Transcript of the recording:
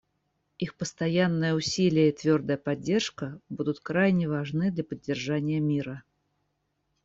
Их постоянные усилия и твердая поддержка будут крайне важны для поддержания мира.